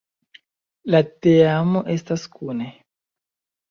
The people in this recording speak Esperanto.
La teamo estas kune.